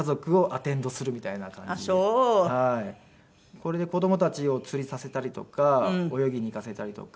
これで子供たちを釣りさせたりとか泳ぎに行かせたりとか。